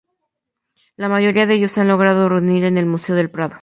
La mayoría de ellos se han logrado reunir en el Museo del Prado.